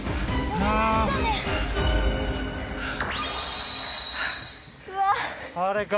あれか。